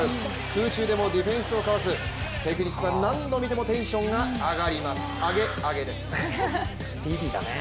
空中でもディフェンスをかわすテクニックは何度見てもテンションが上がります。